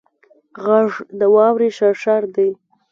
غږ د واورې شرشر دی